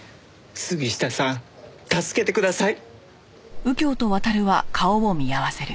杉下さん助けてください。